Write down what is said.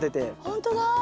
ほんとだ！